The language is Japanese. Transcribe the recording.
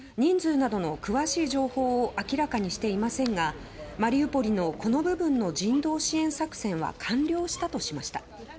人数などの詳しい情報を明らかにしていませんがマリウポリのこの部分の人道支援作戦は完了したとしました。